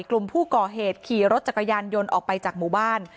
กลุ่มผู้ก่อเหตุขี่รถจักรยานยนต์ออกไปจากหมู่บ้าน